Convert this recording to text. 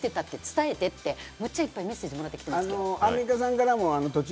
伝えてってむっちゃいっぱいメッセージもらってきてます。